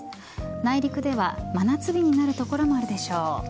内陸では真夏日になる所が多いでしょう。